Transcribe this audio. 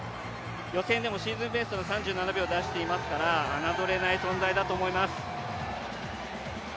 予選でもシーズンベストの３７秒を出していますから、侮れない存在だと思います。